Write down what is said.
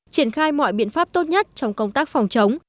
triển khai mọi biện pháp tốt nhất trong công tác phòng chống